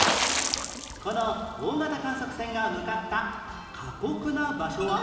この大型観測船が向かった過酷な場所は？